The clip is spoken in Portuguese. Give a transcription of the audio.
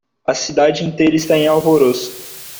A cidade inteira está em alvoroço.